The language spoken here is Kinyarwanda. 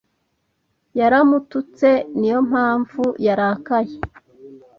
Yaramututse. Niyo mpamvu yarakaye.